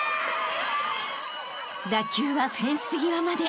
［打球はフェンス際まで］